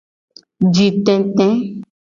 Jitete.